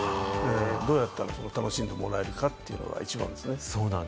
どうやったら楽しんでもらえるかというのが一番ですね。